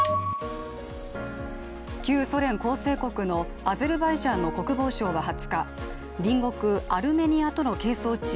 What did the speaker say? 旧ソ連構成国のアゼルバイジャンの国防省は２０日隣国アルメニアとの係争地